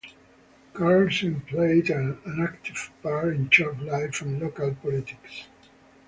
Carlsen played an active part in church life and local politics.